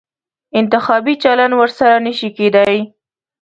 انتخابي چلند ورسره نه شي کېدای.